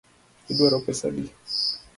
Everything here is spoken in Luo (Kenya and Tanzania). Iduaro pesa adi?